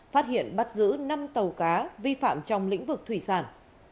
phát hiện bắt giữ năm tàu cá vi phạm trong lĩnh vực thủy sản